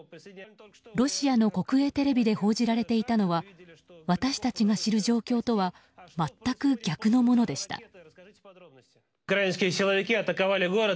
ロシアの国営テレビで報じられていたのは私たちが知る状況とは全く逆のものでした。